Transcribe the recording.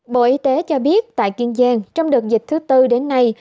bộ y tế cho biết tại kiên giang trong đợt dịch thứ tư đến nay